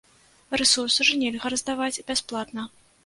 Рэсурсы ж нельга раздаваць бясплатна.